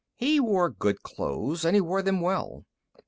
He wore good clothes, and he wore them well.